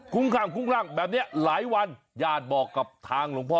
ข้างคุ้งร่างแบบนี้หลายวันญาติบอกกับทางหลวงพ่อ